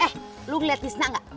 eh lu liat tisna gak